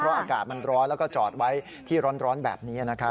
อากาศมันร้อนแล้วก็จอดไว้ที่ร้อนแบบนี้นะครับ